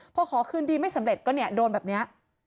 เพราะขอคืนดีไม่สำเร็จก็โดนแบบนี้